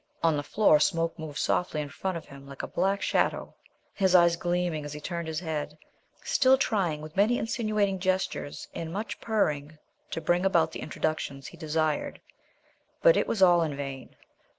On the floor Smoke moved softly in front of him like a black shadow, his eyes gleaming as he turned his head, still trying with many insinuating gestures and much purring to bring about the introductions he desired. But it was all in vain.